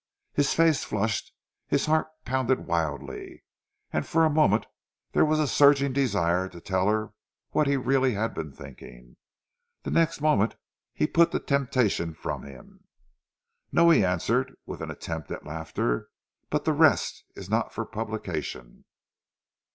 His face flushed, his heart pounded wildly; and for a moment there was a surging desire to tell her what he really had been thinking. The next moment he put the temptation from him. "No," he answered with an attempt at laughter, "but the rest is not for publication."